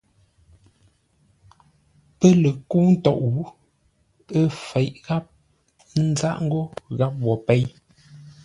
Pə́ lə kə́u ntôʼ, ə́ fěʼ gháp, ə́ nzáʼ ngó gháp wo péi.